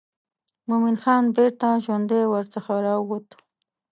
مومن خان بیرته ژوندی ورڅخه راووت.